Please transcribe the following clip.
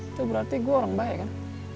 itu berarti gue orang baik kan